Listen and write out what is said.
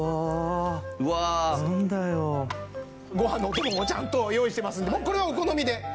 ごはんのお供もちゃんと用意していますのでこれはお好みで。